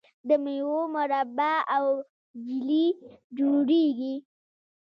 د میوو مربا او جیلی جوړیږي.